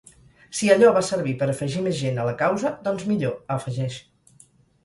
Si allò va servir per afegir més gent a la causa, doncs millor, afegeix.